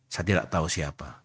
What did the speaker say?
saya tidak tahu siapa